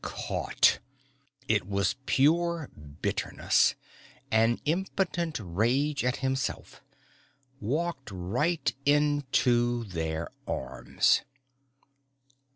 Caught! It was pure bitterness, an impotent rage at himself. _Walked right into their arms!